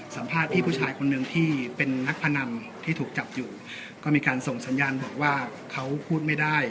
สัมภาษณ์พี่ผู้ชายคนหนึ่งที่เป็นนักพนันที่ถูกจับอยู่ก็มีการส่งสัญญาณบอกว่าเขาพูดไม่ได้